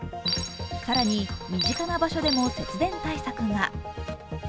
更に、身近な場所でも節電対策が。